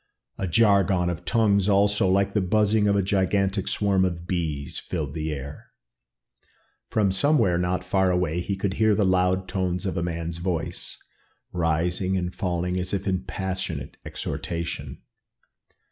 A jargon of tongues also, like the buzzing of a gigantic swarm of bees, filled the air. From somewhere not far away, he could hear the loud tones of a man's voice, rising and falling as if in passionate exhortation.